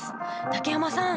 竹山さん